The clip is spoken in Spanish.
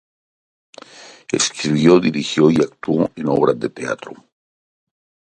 Escribió, dirigió y actuó en obras de teatro.